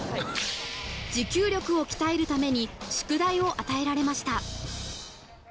持久力を鍛えるために宿題を与えられました。